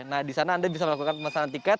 nah di sana anda bisa melakukan pemesanan tiket